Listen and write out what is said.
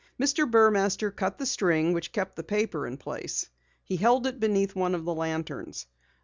Mr. Burmaster cut the string which kept the paper in place. He held it beneath one of the lanterns.